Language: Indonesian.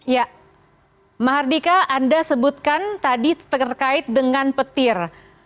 ya mahardika anda sebutkan tadi terkait dengan petir